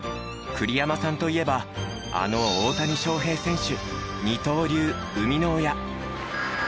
栗山さんといえばあの大谷翔平選手二刀流生みの親。